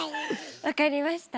分かりました。